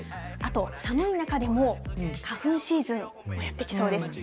あと寒い中でも、花粉シーズン、やって来そうです。